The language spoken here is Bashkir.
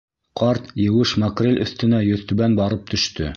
Ҡарт еүеш макрель өҫтөнә йөҙтүбән барып төштө.